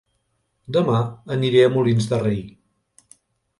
Dema aniré a Molins de Rei